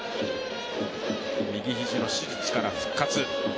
右肘の手術から復活。